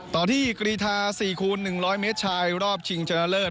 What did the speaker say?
ต่อที่กรีธา๔คูณ๑๐๐เมตรชายรอบชิงชนะเลิศ